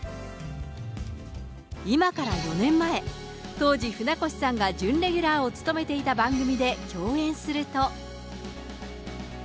今から４年前、当時、船越さんが準レギュラーを務めていた番組で共演すると。